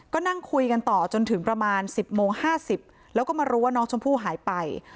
ก็นั่งคุยกันต่อจนถึงประมาณ๑๐โมง๕๐แล้วก็มารู้ว่าน้องชมพู่หายไป